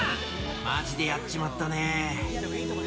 まじでやっちまったねー。